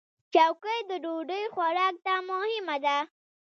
چوکۍ د ډوډۍ خوراک ته مهمه ده.